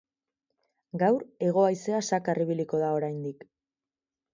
Gaur hego-haizea zakar ibiliko da oraindik.